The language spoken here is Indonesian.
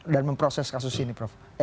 dan memproses kasus ini prof